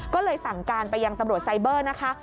ก็เลยสั่งการไปยังตำรวจไซเบอร์นะคะ